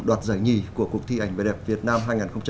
đoạt giải nhì của cuộc thi ảnh vẻ đẹp việt nam